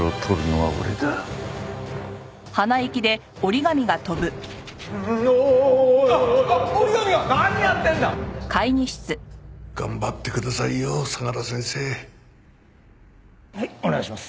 はいお願いします。